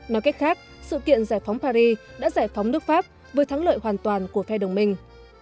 nói cách khác sự kiện giải phóng paris đã giải phóng nước pháp với thắng lợi hoàn toàn của phe đồng minh